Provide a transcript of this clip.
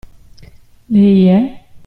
Lei è?